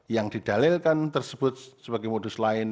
yang didalilkan tersebut sebagai modus lain